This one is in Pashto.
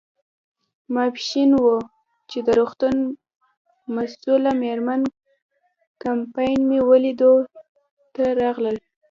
ماپیښین و، چې د روغتون مسؤله مېرمن کمپن مې لیدو ته راغلل.